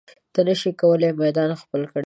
ته نشې کولی میدان خپل کړې.